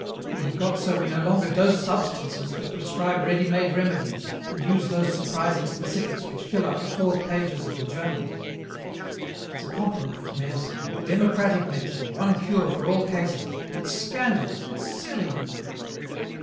"We have got so we no longer dose substances but prescribe ready made remedies and use those surprising specifics which fill up the fourth pages of the journals. It's a compromise medicine, a democratic medicine, one cure for all cases. It's scandalous, it's silly.